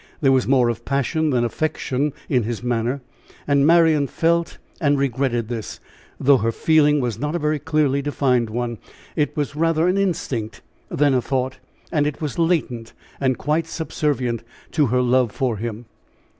There was more of passion than affection in his manner, and Marian felt and regretted this, though her feeling was not a very clearly defined one it was rather an instinct than a thought, and it was latent, and quite subservient to her love for him.